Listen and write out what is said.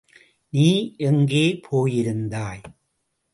நீ எங்கே போயிருந்தாய்?